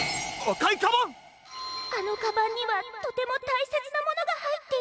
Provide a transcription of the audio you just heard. かいそうあのカバンにはとてもたいせつなものがはいっていたのに。